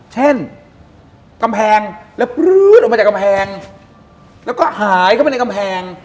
กำแพงแล้วปลื๊ดออกมาจากกำแพงแล้วก็หายเข้าไปในกำแพง